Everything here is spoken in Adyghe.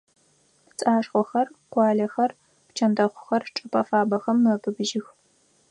Пцӏашхъохэр, къуалэхэр, пчэндэхъухэр чӏыпӏэ фабэхэм мэбыбыжьых.